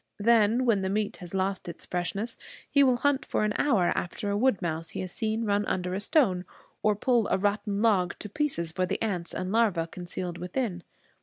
Then, when the meat has lost its freshness, he will hunt for an hour after a wood mouse he has seen run under a stone, or pull a rotten log to pieces for the ants and larvæ concealed within.